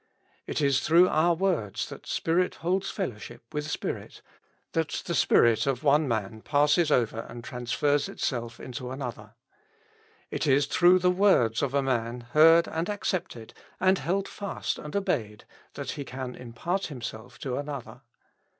It is through our words that spirit holds fel lowship with spirit, that the spirit of one man passes over and transfers itself into another. It is through the words of a man, heard and accepted, and held fast and obeyed, that he can impart himself to another.